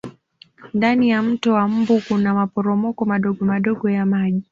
ndani ya mto wa mbu Kuna maporomoko madogomadogo ya maji